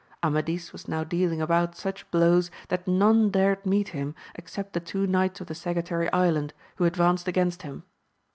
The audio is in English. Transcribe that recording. Amadis was now dealing about such blows that none dared meet him except the two knights of the Sagittary Island, who advanced against him.